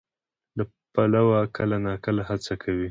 له پلوه کله ناکله هڅه کوي،